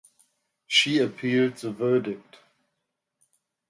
She appealed the verdict.